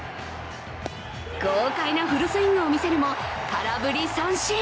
豪快なフルスイングを見せるも空振り三振。